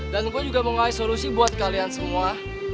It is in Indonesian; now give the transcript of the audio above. dan gue juga mau ngelai solusi buat kalian semua